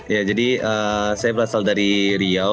ya jadi saya berasal dari riau